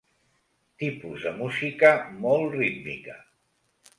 Tipus de música molt rítmica.